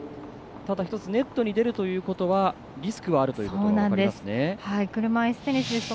ただ１つネットに出るということはリスクはあるということですね。